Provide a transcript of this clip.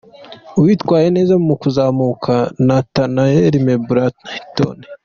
Uwitwaye neza mu kuzamuka: Natanael Mebrahtom.